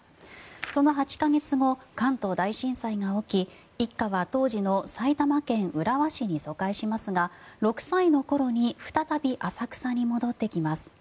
その８か月後関東大震災が起き一家は当時の埼玉県浦和市に疎開しますが６歳の頃に再び浅草に戻ってきます。